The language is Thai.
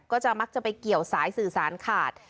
ก็จะมักจะไปเกี่ยวสายสื่อสารขาด